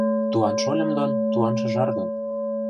Туан шольым дон, туан шыжар дон